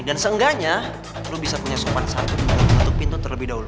dan seenggaknya lo bisa punya supan satu untuk menutup pintu terlebih dahulu